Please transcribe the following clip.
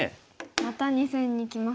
また２線にきますね。